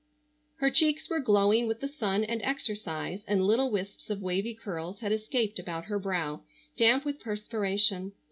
Her cheeks were glowing with the sun and exercise, and little wisps of wavy curls had escaped about her brow, damp with perspiration.